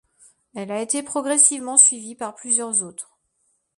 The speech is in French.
Elle a été progressivement suivi par plusieurs autres.